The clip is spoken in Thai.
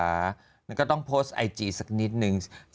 แล้วก็ต้องโพสต์ไอจีสักนิดนึง